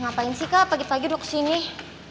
ngapain sih kak pagi pagi kau kes thinih